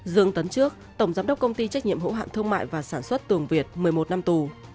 dương tấn trước tổng giám đốc công ty trách nhiệm hữu hạn thương mại và sản xuất tường việt một mươi một năm tù